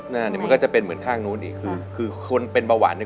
นั่นเนี่ยมันก็จะเป็นเหมือนข้างนู้นอีกคือคือคนเป็นเบาหวานเนี่ย